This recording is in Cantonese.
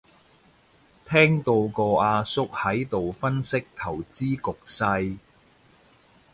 聽到個阿叔喺度分析投資局勢